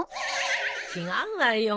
違うわよ。